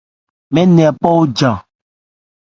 Mɛɛ́n nɛ hɛ̀ phɔ òjan.